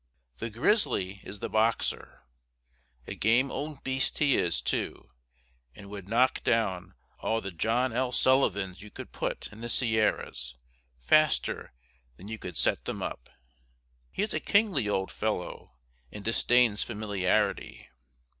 The grizzly is the boxer. A game old beast he is, too, and would knock down all the John L. Sullivans you could put in the Sierras faster than you could set them up. He is a kingly old fellow and disdains familiarity.